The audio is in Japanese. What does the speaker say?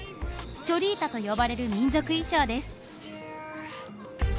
チョリータと呼ばれる民族衣装です。